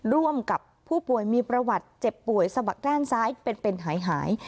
ร่วมกับผู้ป่วยมีประวัติเจ็บป่วยสะบักด้านซ้ายเป็นหาย